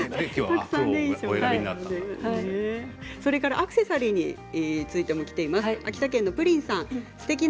アクセサリーについてもきています。